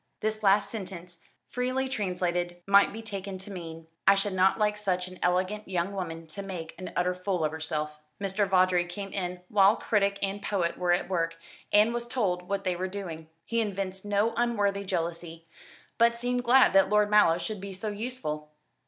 This last sentence, freely translated, might be taken to mean: "I should not like such an elegant young woman to make an utter fool of herself." Mr. Vawdrey came in while critic and poet were at work, and was told what they were doing. He evinced no unworthy jealousy, but seemed glad that Lord Mallow should be so useful.